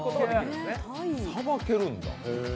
さばけるんだ。